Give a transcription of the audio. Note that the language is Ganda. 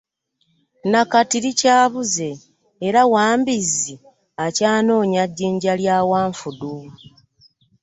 Na kati likyabuze era Wambizzi akyanoonya jjinja lya Wanfudu.